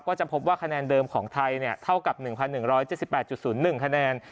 ก็จะพบว่าคะแนนเดิมของไทยเท่ากับ๑๑๗๘๐๑คะแนน